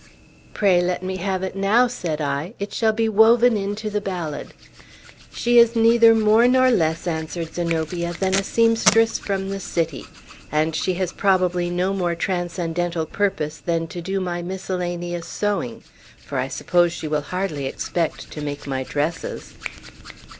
"Pray let me have it now," said I; "it shall be woven into the ballad." "She is neither more nor less," answered Zenobia, "than a seamstress from the city; and she has probably no more transcendental purpose than to do my miscellaneous sewing, for I suppose she will hardly expect to make my dresses."